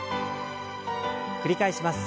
繰り返します。